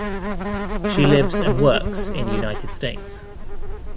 She lives and works in United States.